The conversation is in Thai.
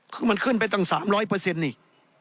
คือมันขึ้นไปตั้ง๓๐๐อีก